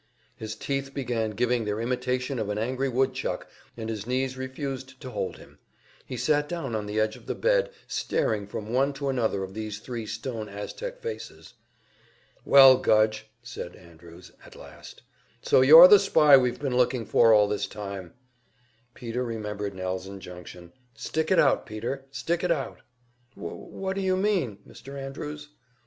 His teeth began giving their imitation of an angry woodchuck, and his knees refused to hold him; he sat down on the edge of the bed, staring from one to another of these three stone Aztec faces. "Well, Gudge," said Andrews, at last, "so you're the spy we've been looking for all this time!" Peter remembered Nell's injunction, "Stick it out, Peter! Stick it out!" "Wh wh what do you mean, Mr. Andrews?"